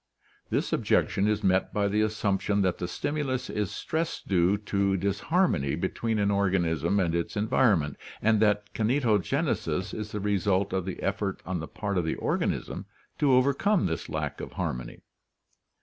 This objection is met by the assumption that the stimulus is stress due to disharmony 'be tween an organism and its environment, and that kinetogenesis is the result of the effort on the part of the organism to overcome this lack of harmony.